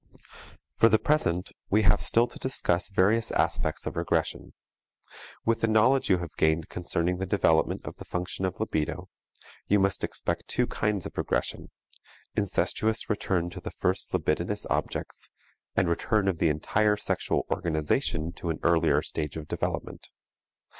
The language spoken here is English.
For the present we have still to discuss various aspects of regression. With the knowledge you have gained concerning the development of the function of libido, you must expect two kinds of regression: incestuous return to the first libidinous objects and return of the entire sexual organization to an earlier stage of development.